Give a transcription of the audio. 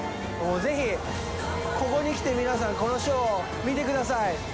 ぜひ、ここに来て、皆さん、このショーを見てください！